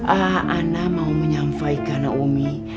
ehm ana mau menyampaikan umi